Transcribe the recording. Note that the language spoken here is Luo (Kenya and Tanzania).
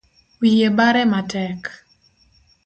Wiye bare matek